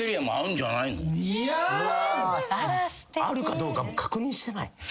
あるかどうかも確認してない！？